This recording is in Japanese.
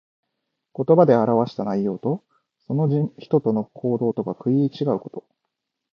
言葉で表した内容と、その人の行動とが食い違うこと。